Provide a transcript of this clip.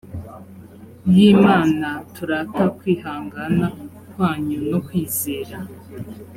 y imana turata kwihangana kwanyu no kwizera